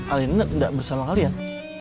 alina tidak bersama kalian